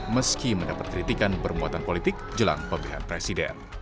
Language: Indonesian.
meski mendapat kritikan bermuatan politik jelang pemilihan presiden